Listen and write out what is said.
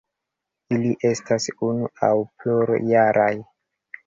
Ili estas unu aŭ plurjaraj.